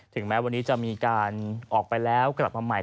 แม้วันนี้จะมีการออกไปแล้วกลับมาใหม่